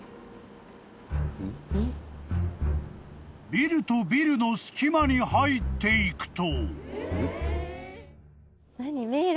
［ビルとビルの隙間に入っていくと］